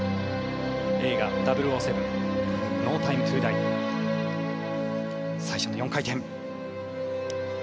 映画「００７／ノー・タイム・トゥ・ダイ」より最初の４回転。